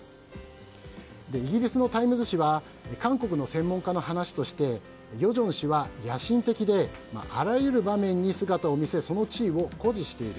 イギリスのタイムズ紙は韓国の専門家の話として与正氏は、野心的であらゆる場面に姿を見せその地位を誇示している。